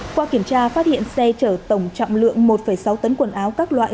qua kiểm tra phát hiện xe chở tổng trọng lượng một sáu tấn quần áo các loại